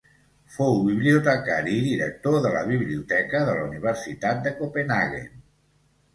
Fou bibliotecari i director de la biblioteca de la Universitat de Copenhaguen.